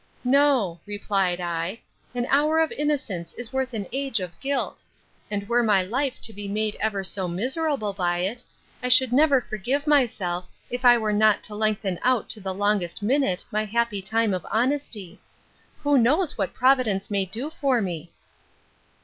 No, replied I, an hour of innocence is worth an age of guilt; and were my life to be made ever so miserable by it, I should never forgive myself, if I were not to lengthen out to the longest minute my happy time of honesty. Who knows what Providence may do for me!